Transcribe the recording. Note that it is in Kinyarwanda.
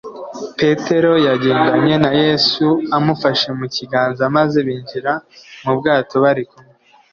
petero yagendanye na yesu, amufashe mu kiganza, maze binjira mu bwato bari kumwe